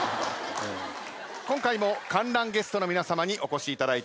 今回も観覧ゲストの皆さまにお越しいただいております。